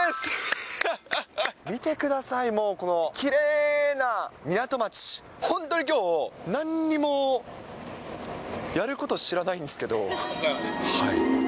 見てください、もうこのきれいな港町、本当にきょう、なんにもやること知らないんですけど。